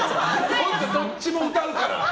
どっちも歌うから。